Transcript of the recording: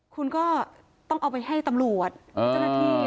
คุณก็ต้องเอาไปให้ตำรวจเจ้าหน้าที่